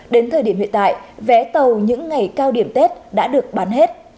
đến thời điểm hiện tại vé tàu những ngày cao điểm tết đã được bán hết